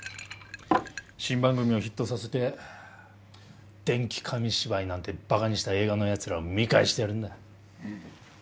新番組をヒットさせて電気紙芝居なんてバカにした映画のやつらを見返してやるんだ。